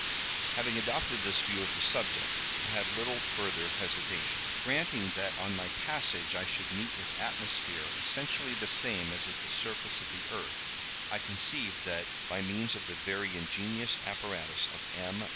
"Having adopted this view of the subject, I had little further hesitation. Granting that on my passage I should meet with atmosphere essentially the same as at the surface of the earth, I conceived that, by means of the very ingenious apparatus of M.